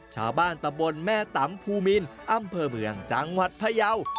ชาวบ้านตะบนแม่ตำภูมินอำเภอเมืองจังหวัดพยาว